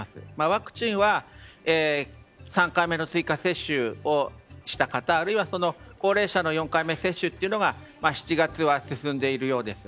ワクチンは３回目の追加接種をした方あるいは高齢者の４回目接種というのが７月は進んでいるようです。